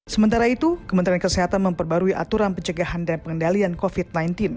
sementara itu kementerian kesehatan memperbarui aturan pencegahan dan pengendalian covid sembilan belas